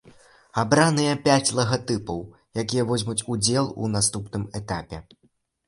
Абраныя пяць лагатыпаў, якія возьмуць удзел у наступным этапе.